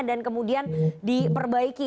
dan kemudian diperbaiki